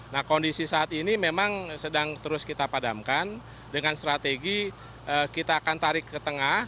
nah kondisi saat ini memang sedang terus kita padamkan dengan strategi kita akan tarik ke tengah